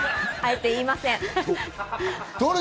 あえて言いません。